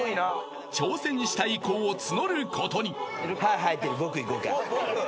［挑戦したい子を募ることに］